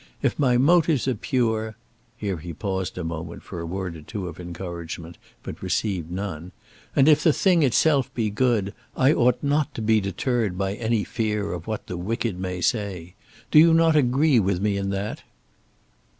If my motives are pure," here he paused a moment for a word or two of encouragement, but received none, "and if the thing itself be good, I ought not to be deterred by any fear of what the wicked may say. Do you not agree with me in that?"